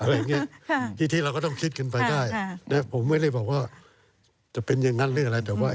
อะไรอย่างงี้